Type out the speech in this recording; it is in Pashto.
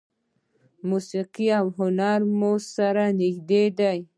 موسیقي او هنر مو سره نږدې دي.